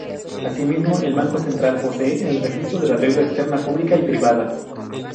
Asimismo, el banco central posee el registro de la deuda externa, pública y privada.